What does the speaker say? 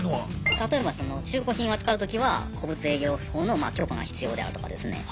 例えば中古品を扱うときは古物営業法の許可が必要であるとかですね